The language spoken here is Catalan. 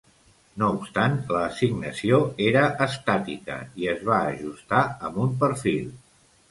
No obstant, la assignació era estàtica, i es va ajustar amb un perfil.